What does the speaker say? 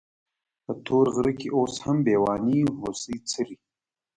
په تور غره کې اوس هم بېواني هوسۍ څري.